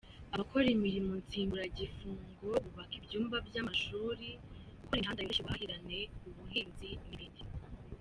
Abakora imirimo nsimburagifungo bubaka ibyumba by’amashuri, gukora imihanda yoroshya ubuhahirane, ubuhinzi n’ibindi.